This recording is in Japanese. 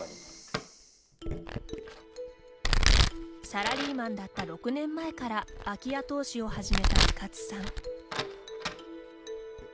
サラリーマンだった６年前から空き家投資を始めた深津さん。